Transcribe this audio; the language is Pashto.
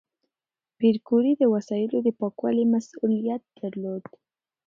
پېیر کوري د وسایلو د پاکوالي مسؤلیت درلود.